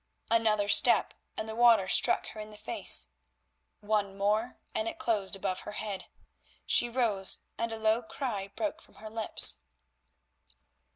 Another step and the water struck her in the face, one more and it closed above her head. She rose, and a low cry broke from her lips.